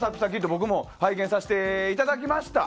僕も拝見させていただきました。